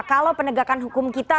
kalau penegakan hukum kita